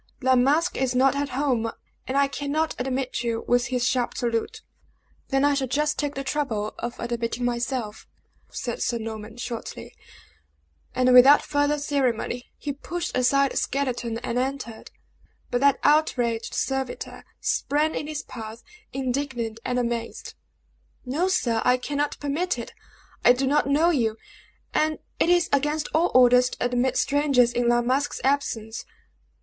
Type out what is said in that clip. "La Masque is not at home, and I cannot admit you," was his sharp salute. "Then I shall just take the trouble of admitting myself," said Sir Norman, shortly. And without further ceremony, he pushed aside the skeleton and entered. But that outraged servitor sprang in his path, indignant and amazed. "No, sir; I cannot permit it. I do not know you; and it is against all orders to admit strangers in La Masque's absence."